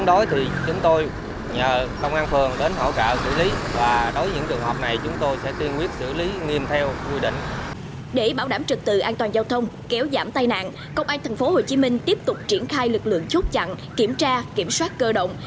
để bảo đảm trực tự an toàn giao thông kéo giảm tai nạn công an tp hcm tiếp tục triển khai lực lượng chốt chặn kiểm tra kiểm soát cơ động